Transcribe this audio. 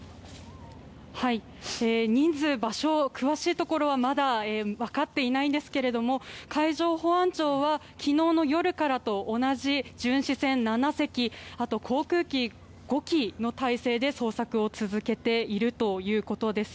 人数、場所詳しいところはまだ分かっていませんが海上保安庁は昨日の夜からと同じ巡視船７隻、航空機５機の態勢で捜索を続けているということです。